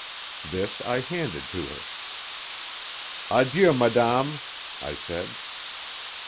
This I handed to her. "Adieu, madame," I said.